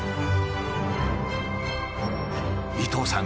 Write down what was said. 伊東さん